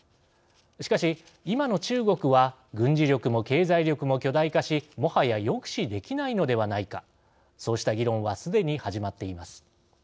しかし、今の中国は軍事力も経済力も巨大化しもはや抑止できないのではないかそうした議論はすでに始まっています。